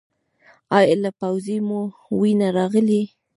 ایا له پوزې مو وینه راغلې ده؟